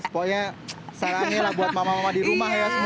pokoknya saranilah buat mama mama di rumah ya semua